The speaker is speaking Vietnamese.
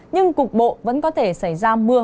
nhưng cục bộ vẫn có thể xảy ra mưa